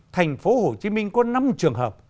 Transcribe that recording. thành phố hồ chí minh có năm trường hợp